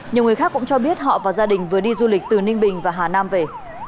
nhiều người khác cũng cho biết họ và gia đình vừa đi du lịch từ ninh bình và hà nam về